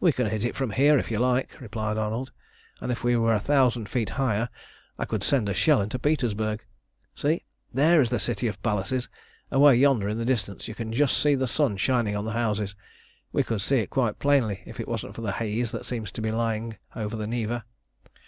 "We can hit it from here, if you like," replied Arnold, "and if we were a thousand feet higher I could send a shell into Petersburg. See! there is the City of Palaces. Away yonder in the distance you can just see the sun shining on the houses. We could see it quite plainly if it wasn't for the haze that seems to be lying over the Neva."